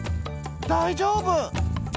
「だいじょうぶ！」。